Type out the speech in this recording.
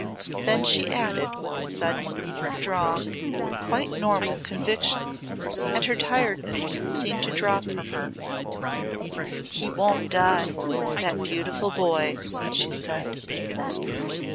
Then she added with a sudden, strong, quite normal conviction, and her tiredness seemed to drop from her, "He won't die that beautiful boy," she said.